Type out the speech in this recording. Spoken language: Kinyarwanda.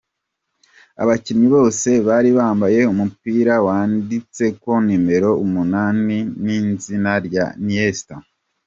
Abakinyi bose bari bambaye umupira wanditseko numero umunani n'izina rya Iniesta.